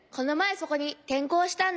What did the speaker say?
そこにてんこうしたんだ。